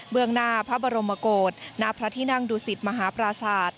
เมืองหน้าพระบรมโกศณพระที่นั่งดูสิตมหาปราศาสตร์